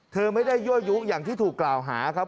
เธอไม่ได้ยั่วยุอย่างที่ถูกกล่าวหาครับ